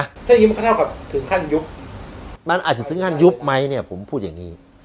ถ้ายุบก็เท่ากับถึงขั้นยุบมันอาจจะถึงขั้นยุบไหมเนี่ยผมพูดอย่างนี้